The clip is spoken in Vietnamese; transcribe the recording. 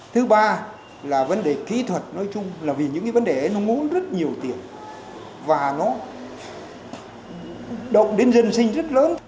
thứ ba là vấn đề kỹ thuật nói chung là vì những cái vấn đề ấy nó muốn rất nhiều tiền và nó động đến dân sinh rất lớn